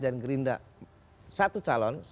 dan gerindra satu calon